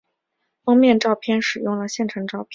封面照片使用了现成照片。